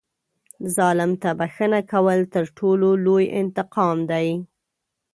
ظالم ته بښنه کول تر ټولو لوی انتقام دی.